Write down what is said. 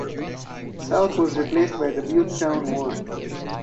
South was replaced by the Butetown ward.